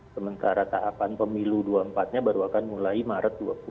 sementara tahapan pemilu dua puluh empat nya baru akan mulai maret dua ribu dua puluh